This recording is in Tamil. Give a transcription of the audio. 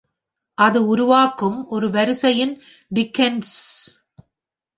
அது உருவாக்கும் ஒரு வரிசையின் டிக்கென்ஸ்.